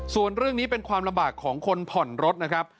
ส่วนเรื่องนี้เป็นความลำบากของคนผ่อนรถนะครับ